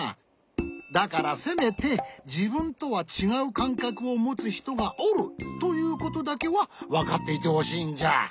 だからせめてじぶんとはちがうかんかくをもつひとがおるということだけはわかっていてほしいんじゃ。